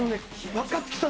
若槻さん